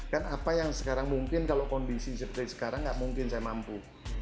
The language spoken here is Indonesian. kan apa yang sekarang mungkin kalau kondisi seperti sekarang nggak mungkin saya mampu